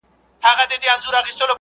قصیده چي مي لیکل پر انارګلو `